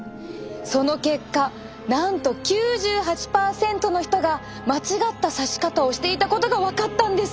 その結果なんと９８％の人が間違ったさし方をしていたことが分かったんです！